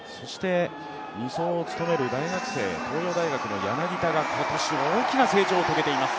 ２走を務める大学生東洋大学の柳田が今年、大きな成長を遂げています。